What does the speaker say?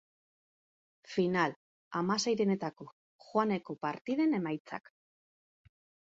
Final-hamaseirenetako joaneko partiden emaitzak.